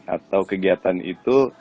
atau kegiatan itu